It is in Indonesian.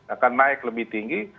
akan naik lebih tinggi